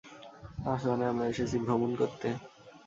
আসোয়ানে, আমরা এসেছি ভ্রমণ করতে!